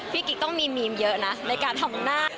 กิ๊กต้องมีมีมเยอะนะในการทำหน้า